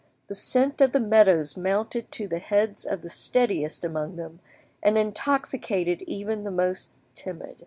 The scent of the meadows mounted to the heads of the steadiest among them, and intoxicated even the most timid.